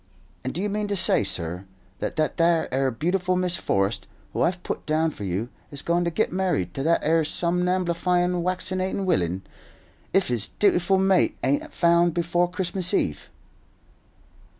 And do you mean to say, sur, that that 'ere beautiful Miss Forrest, who I've put down for you, is goin' to git married to that 'ere somnamblifyin' waccinatin' willain, if his dutiful mate ain't a found before Christmas Eve?"